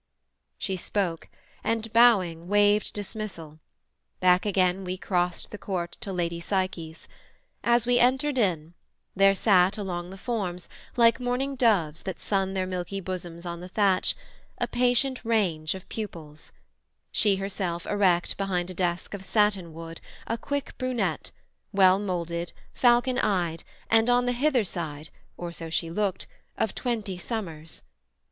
She spoke, and bowing waved Dismissal: back again we crost the court To Lady Psyche's: as we entered in, There sat along the forms, like morning doves That sun their milky bosoms on the thatch, A patient range of pupils; she herself Erect behind a desk of satin wood, A quick brunette, well moulded, falcon eyed, And on the hither side, or so she looked, Of twenty summers.